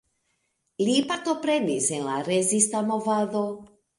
Li partoprenis en la rezista movado.